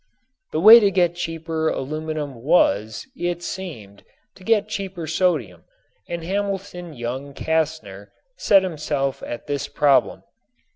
The way to get cheaper aluminum was, it seemed, to get cheaper sodium and Hamilton Young Castner set himself at this problem.